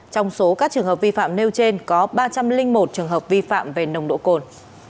trong số các trường hợp vi phạm nêu trên có ba trăm linh một trường hợp vi phạm về nồng độ cồn